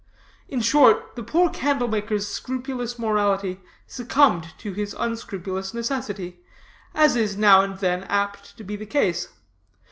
In short, the poor candle maker's scrupulous morality succumbed to his unscrupulous necessity, as is now and then apt to be the case.